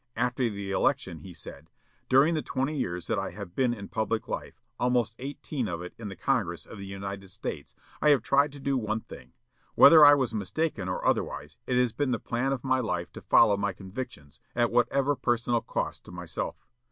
After the election he said, "During the twenty years that I have been in public life, almost eighteen of it in the Congress of the United States, I have tried to do one thing. Whether I was mistaken or otherwise, it has been the plan of my life to follow my convictions, at whatever personal cost to myself.